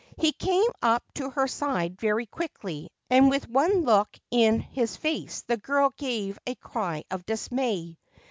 He came up to her side very quickly and with one look in his face the girl gave a cry of dismay.